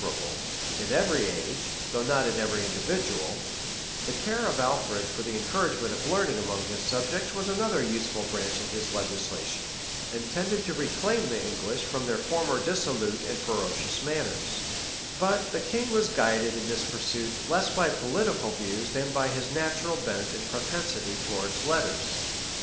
] As good morals and knowledge are almost inseparable, in every age, though not in every individual, the care of Alfred for the encouragement of learning among his subjects was another useful branch of his legislation, and tended to reclaim the English from their former dissolute and ferocious manners; but the king was guided, in this pursuit, less by political views than by his natural bent and propensity towards letters.